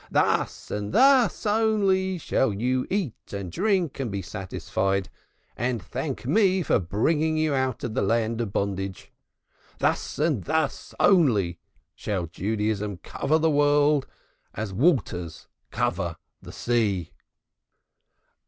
Thus and thus only shall you eat, drink and be satisfied, and thank me for bringing you out of the land of bondage. Thus and thus only shall Judaism cover the world as the waters cover the sea."